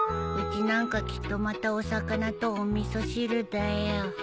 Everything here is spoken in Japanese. うちなんかきっとまたお魚とお味噌汁だよ。